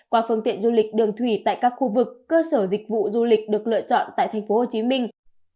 qua phương tiện du lịch đường thủy tại các khu vực cơ sở dịch vụ du lịch được lựa chọn tại thành phố hồ chí minh